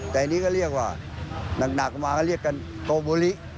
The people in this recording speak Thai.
แต่อันนี้ก็เรียกว่าหนักมาก็เรียกกันโกโบลิ